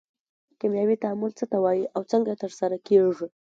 کیمیاوي تعامل څه ته وایي او څنګه ترسره کیږي